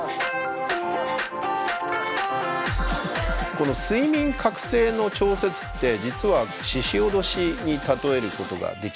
この睡眠覚醒の調節って実はししおどしに例えることができます。